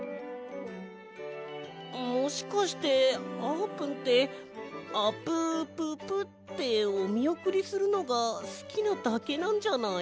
もしかしてあーぷんってあぷぷぷっておみおくりするのがすきなだけなんじゃない？